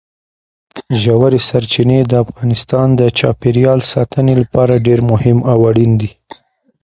ژورې سرچینې د افغانستان د چاپیریال ساتنې لپاره ډېر مهم او اړین دي.